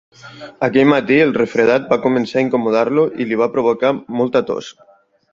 Aquell matí, el refredat va començar a incomodar-lo i li va provocar molta tos.